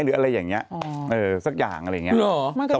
หรืออะไรอย่างนี้สักอย่างอะไรอย่างนี้